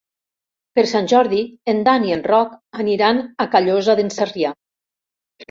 Per Sant Jordi en Dan i en Roc aniran a Callosa d'en Sarrià.